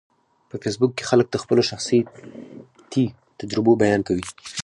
په فېسبوک کې خلک د خپلو شخصیتي تجربو بیان کوي